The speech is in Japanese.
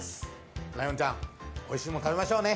ライオンちゃんおいしいもの食べましょうね！